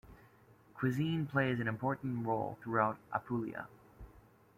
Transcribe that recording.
Cuisine plays an important role throughout Apulia.